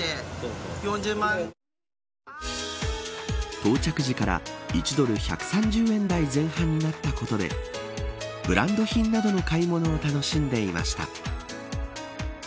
到着時から１ドル１３０円台前半になったことでブランド品などの買い物を楽しんでいました。